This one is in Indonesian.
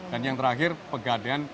dan yang terakhir pegaden